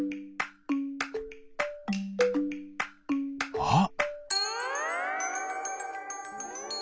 あっ！